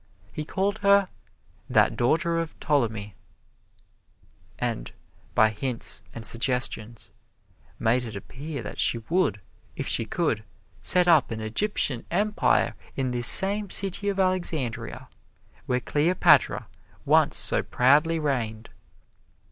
He called her "that daughter of Ptolemy," and by hints and suggestions made it appear that she would, if she could, set up an Egyptian Empire in this same city of Alexandria where Cleopatra once so proudly reigned.